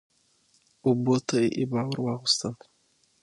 اوبو ته يې عبا ور واغوستل